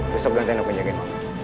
besok ganteng aku njagain mama